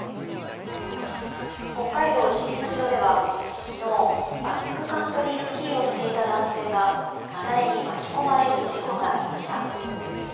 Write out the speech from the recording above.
北海道清水町では昨日バックカントリースキーをしていた男性が雪崩に巻き込まれる事故がありました。